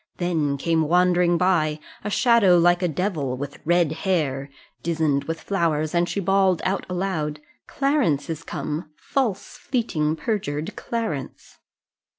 Then came wandering by, A shadow like a devil, with red hair, 'Dizen'd with flowers; and she bawl'd out aloud, Clarence is come; false, fleeting, perjured Clarence!"